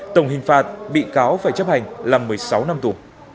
tổng hình phạt bị cáo phải chấp hành là một mươi sáu năm tù